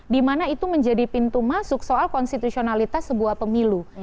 dimana itu menjadi pintu masuk soal konstitusionalitas sebuah pemilu